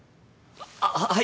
あっははい。